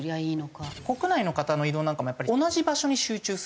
国内の方の移動なんかもやっぱり同じ場所に集中する。